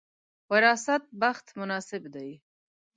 وراثت بخت مناسب دی.